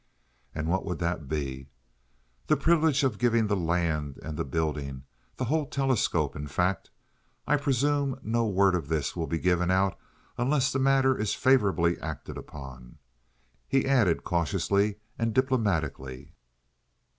"And what would that be?" "The privilege of giving the land and the building—the whole telescope, in fact. I presume no word of this will be given out unless the matter is favorably acted upon?" he added, cautiously and diplomatically.